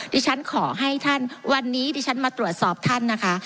ดิฉันขอให้ท่านวันนี้ดิฉันมาตรวจสอบท่านนะคะ